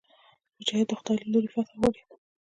مجاهد د خدای له لورې فتحه غواړي.